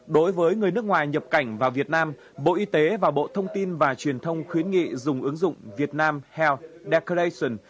đối với người nước ngoài nhập cảnh vào việt nam bộ y tế và bộ thông tin và truyền thông khuyến nghị dùng ứng dụng việt nam health daklation